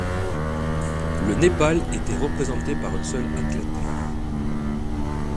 Le Népal était représenté par un seul athlète.